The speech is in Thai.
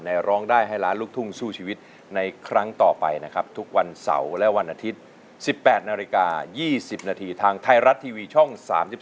ร้องได้ให้ล้านลูกทุ่งสู้ชีวิตในครั้งต่อไปนะครับทุกวันเสาร์และวันอาทิตย์๑๘นาฬิกา๒๐นาทีทางไทยรัฐทีวีช่อง๓๒